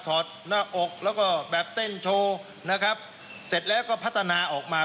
ถอดหน้าอกแล้วก็แบบเต้นโทลักษณ์นะครับ